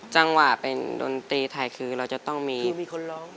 จังหวะเป็นดนตรีไทยคือเราจะต้องมีคนร้อง